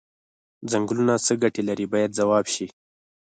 څنګلونه څه ګټې لري باید ځواب شي.